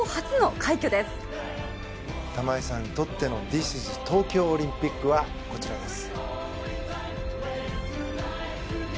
玉井さんにとってのＴｈｉｓｉｓ東京オリンピックはこちらです。